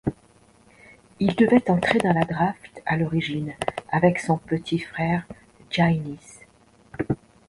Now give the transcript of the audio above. Il devait entrer dans la draft à l'origine avec son petit frère Giánnis.